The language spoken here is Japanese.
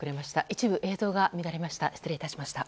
一部、映像が乱れました。